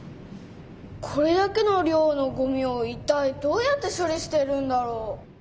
これだけの量のごみをいったいどうやって処理してるんだろう？